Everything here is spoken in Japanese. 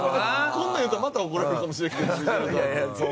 こんなん言うたらまた怒られるかもしれんけど。